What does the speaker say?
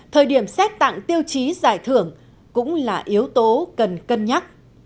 thời điểm xét tặng tiêu chí giải thưởng cũng là yếu tố cần cân nhắc